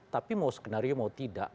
tapi mau skenario mau tidak